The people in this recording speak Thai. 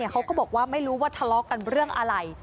เขาก็บอกว่าไม่รู้ว่าทะเลาะกันเรื่องอะไร